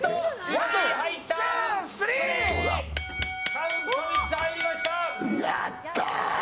カウント３つ入りました！